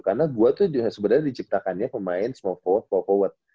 karena gua tuh sebenernya diciptakannya pemain small forward